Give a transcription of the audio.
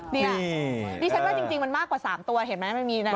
นี่ดิฉันว่าจริงมันมากกว่า๓ตัวเห็นไหม